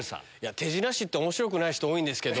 手品師って面白くない人多いんですけど。